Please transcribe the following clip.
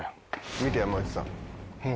見て山内さん。